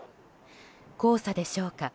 黄砂でしょうか